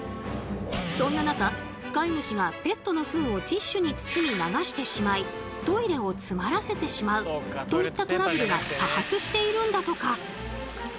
そんな中飼い主がペットのフンをティッシュに包み流してしまいトイレを詰まらせてしまうといったトラブルが多発しているんだとか。